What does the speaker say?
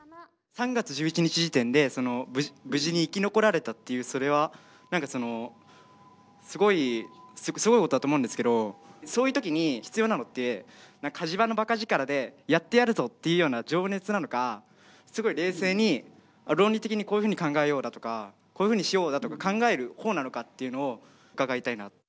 ３月１１日時点で無事に生き残られたっていうそれは何かそのすごいすごいことだと思うんですけどそういう時に必要なのって「火事場の馬鹿力」でやってやるぞっていうような情熱なのかすごい冷静に論理的にこういうふうに考えようだとかこういうふうにしようだとか考える方なのかっていうのを伺いたいな。